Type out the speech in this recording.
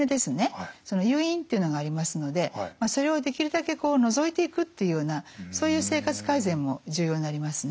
その誘因っていうのがありますのでそれをできるだけこう除いていくっていうようなそういう生活改善も重要になりますね。